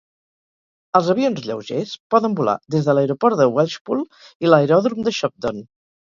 Els avions lleugers poden volar des de l'aeroport de Welshpool i l'aeròdrom de Shobdon.